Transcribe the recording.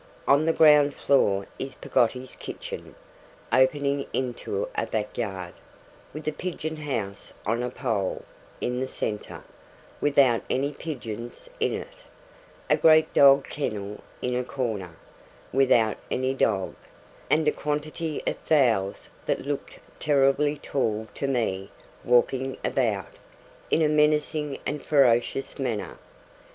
On the ground floor is Peggotty's kitchen, opening into a back yard; with a pigeon house on a pole, in the centre, without any pigeons in it; a great dog kennel in a corner, without any dog; and a quantity of fowls that look terribly tall to me, walking about, in a menacing and ferocious manner.